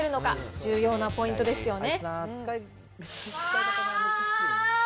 重要なポイントですよね。